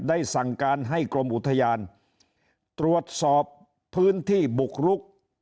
สั่งการให้กรมอุทยานตรวจสอบพื้นที่บุกรุก